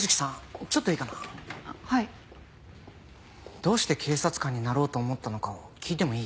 どうして警察官になろうと思ったのかを聞いてもいい？